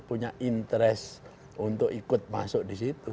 punya interest untuk ikut masuk disitu